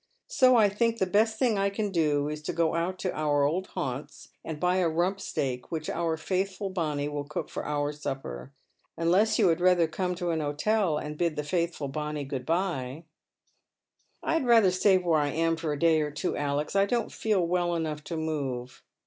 So I think the best thing I can do is to go out to our old haunts and buy a rump steak, which our faithful Bonny will cook for our Bupper. Unless you had rather come to an hotel and bid the faithful Bonny good bye." *' I had ratlier stay where I am for a day or two, Alex ; I don't feel well enough to move."